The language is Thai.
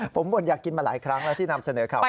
ผมบ่นอยากกินมาหลายครั้งแล้วที่นำเสนอข่าว